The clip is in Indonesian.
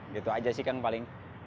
gitu aja sih kan paling